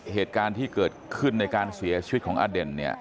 เหตุการณ์ที่เกิดขึ้นในการเสียชีวิตของอเด่นเนี่ย